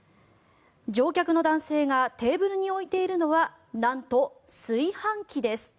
乗客の男性がテーブルに置いているのはなんと炊飯器です。